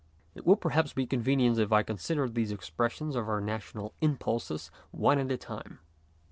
It will perhaps be convenient if I consider these expressions of our national impulses one at a time.